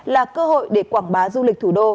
là cơ hội để quảng bá du lịch thủ đô